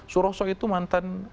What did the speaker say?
suroso itu mantan